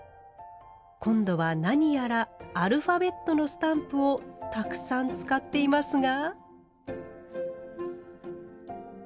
今度は何やらアルファベットのスタンプをたくさん使っていますが？